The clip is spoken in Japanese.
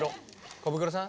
コブクロさん？